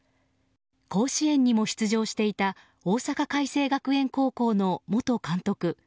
甲子園にも出場していた大阪偕星学園高校の元監督